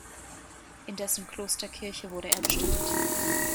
In dessen Klosterkirche wurde er bestattet.